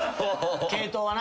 系統はな。